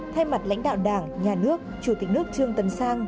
thay mặt lãnh đạo đảng nhà nước chủ tịch nước trương tấn sang